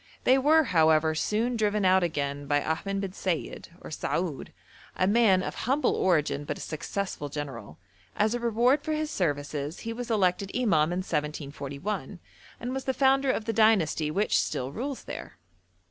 They were, however, soon driven out again by Ahmed bin Sayid, or Saoud, a man of humble origin but a successful general; as a reward for his services he was elected imam in 1741, and was the founder of the dynasty which still rules there.